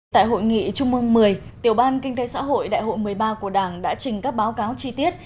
tại hội nghị trung mương một mươi tiểu ban kinh tế xã hội đại hội một mươi ba của đảng đã trình các báo cáo chi tiết